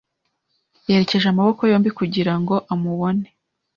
Yerekeje amaboko yombi kugira ngo amubone.